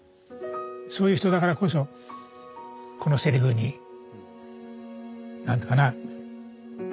そういう人だからこそこのセリフに何というかな。